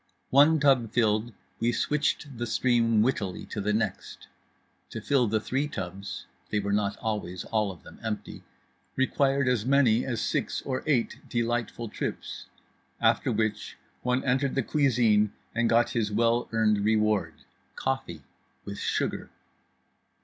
One tub filled, we switched the stream wittily to the next. To fill the three tubs (they were not always all of them empty) required as many as six or eight delightful trips. After which one entered the cuisine and got his well earned reward—coffee with sugar.